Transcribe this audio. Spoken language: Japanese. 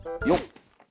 よっ。